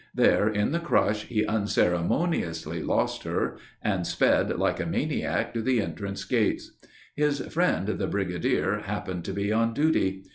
There, in the crush, he unceremoniously lost her, and sped like a maniac to the entrance gates. His friend the brigadier happened to be on duty.